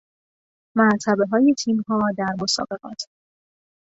مرتبه های تیم ها در مسابقات